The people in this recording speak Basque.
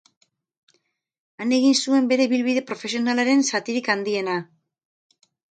Han egin zuen bere ibilbide profesionalaren zatirik handiena.